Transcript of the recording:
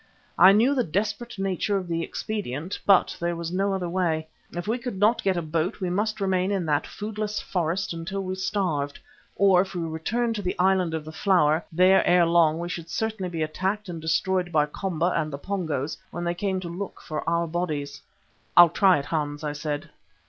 I knew the desperate nature of the expedient, but there was no other way. If we could not get a boat we must remain in that foodless forest until we starved. Or if we returned to the island of the Flower, there ere long we should certainly be attacked and destroyed by Komba and the Pongos when they came to look for our bodies. "I'll try it, Hans," I said.